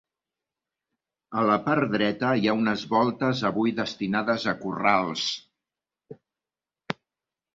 A la part dreta hi ha unes voltes avui destinades a corrals.